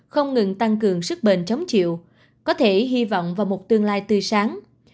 không ngừng tăng cường sức bền chống chịu có thể hy vọng vào một tương lai tươi sáng